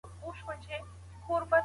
ژوندي کېدای سي؟